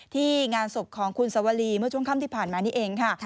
งานศพของคุณสวรีเมื่อช่วงค่ำที่ผ่านมานี่เองค่ะ